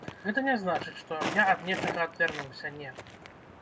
Гэта не значыць, што я ад нечага адвярнуўся, не.